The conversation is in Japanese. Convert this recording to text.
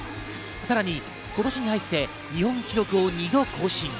さらに今年に入って日本記録を２度更新。